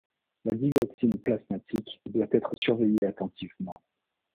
La digoxine plasmatique doit être surveillée attentivement.